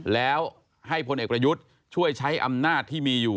แล้วให้พลเอกประยุทธ์ช่วยใช้อำนาจที่มีอยู่